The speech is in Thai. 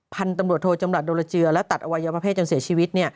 พันธุ์ตำรวจโทจำหลัดโดนเจือและตัดอวัยวะเพศจนเสียชีวิต